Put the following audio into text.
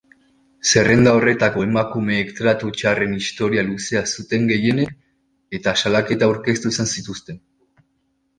Zerrenda horretako emakumeek tratu txarren historia luzea zuten gehienek, eta salaketak aurkeztu izan zituzten.